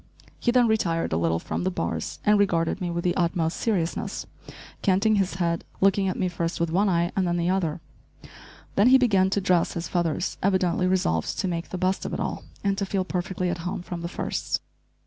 He then retired a little from the bars and regarded me with the utmost seriousness, canting his head, looking at me first with one eye and then the other. Then he began to dress his feathers, evidently resolved to make the best of it all, and to feel perfectly at home from the first.